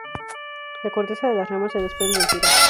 La corteza de las ramas se desprende en tiras.